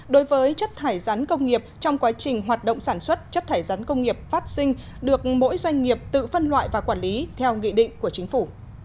đối với chất thải rắn công nghiệp trong quá trình hoạt động sản xuất chất thải rắn công nghiệp phát sinh được mỗi doanh nghiệp tự phân loại và quản lý theo nghị định của chính phủ